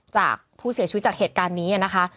จากผู้เสียชีวิตจากเหตุการณ์นี้นะคะ